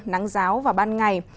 nắng giáo vào ban ngày